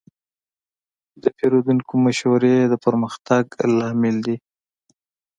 د پیرودونکو مشورې د پرمختګ لامل دي.